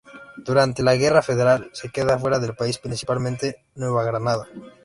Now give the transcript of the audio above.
Durante la Guerra Federal se queda fuera del país, principalmente Nueva Granada.